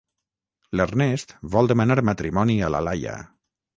L'Ernest vol demanar matrimoni a la Laia.